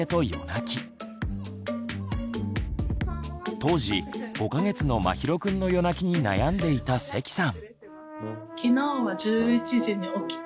当時５か月のまひろくんの夜泣きに悩んでいた関さん。